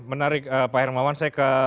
menarik pak hermawan saya ke